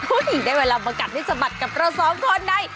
พูดมีเวลามากัดนิสบัตรกับเราสองคนใน